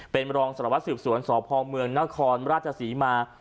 เป็นรองสละวัดสืบสวนสอบภอมเมืองนครราชสีมา